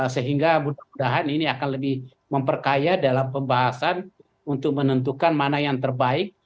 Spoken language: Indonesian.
sehingga mudah mudahan ini akan lebih memperkaya dalam pembahasan untuk menentukan mana yang terbaik